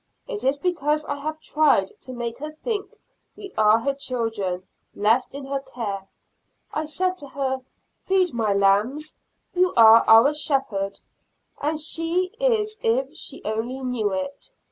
It is because I have tried to make her think we are her children, left in her care. I said to her, "'Feed my lambs,' you are our Shepherd;" and she is if she only knew it.